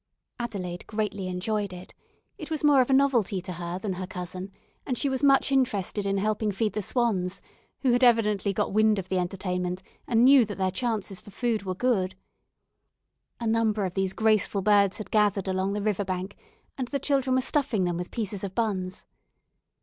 Adelaide greatly enjoyed it; it was more of a novelty to her than her cousin, and she was much interested in helping feed the swans, who had evidently got wind of the entertainment and knew that their chances for food were good. A number of these graceful birds had gathered along the river bank, and the children were stuffing them with pieces of buns.